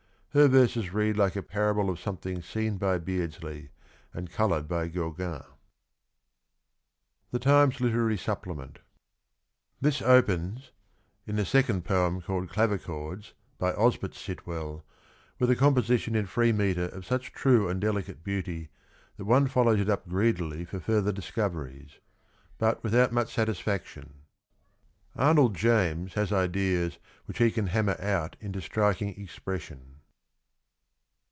Her verses read like a parable of something seen by Beardsley and coloured by Gauquin. THE TIMES LITERARY SUPPLEMENT. This opens — in the second poem called ' Clavichords,' by Osbert Sitwell, with a composition in free metre of such true and delicate beauty that one follows it up greedily for further discoveries — but without much satisfaction. ... Arnold James ... has ideas which he can hammer out into striking expression.